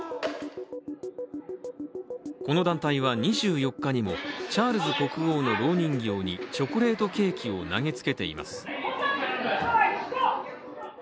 この団体は２４日にもチャールズ国王のろう人形にチョコレートケーキを投げつけています。